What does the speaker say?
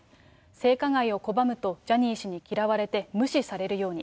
性加害を拒むとジャニー氏に嫌われて、無視されるように。